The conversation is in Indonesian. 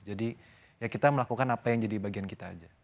jadi ya kita melakukan apa yang jadi bagian kita aja